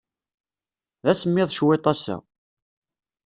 D asemmiḍ cwiṭ ass-a.